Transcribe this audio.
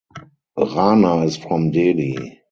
Rana is from Delhi.